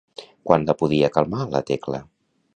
Quan la podia calmar la Tecla?